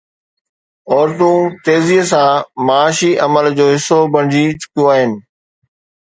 عورتون تيزيءَ سان معاشي عمل جو حصو بڻجي چڪيون آهن.